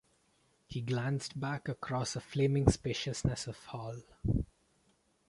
He glanced back across a flaming spaciousness of hall.